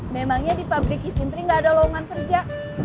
memangnya di pabrik kisimpring nggak ada laungan kerja